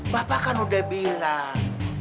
bapak kan udah bilang